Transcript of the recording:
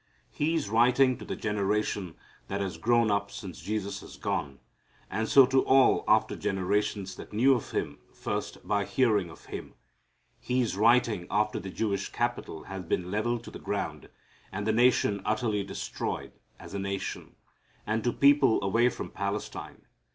He is writing to the generation that has grown up since Jesus has gone, and so to all after generations that knew of Him first by hearing of Him. He is writing after the Jewish capital has been leveled to the ground, and the nation utterly destroyed as a nation, and to people away from Palestine.